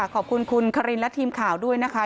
ขอบคุณคุณคารินและทีมข่าวด้วยนะคะ